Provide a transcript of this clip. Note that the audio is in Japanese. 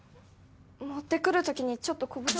持ってくる時にちょっとこぼれ。